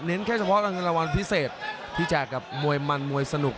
แค่เฉพาะเงินรางวัลพิเศษที่แจกกับมวยมันมวยสนุก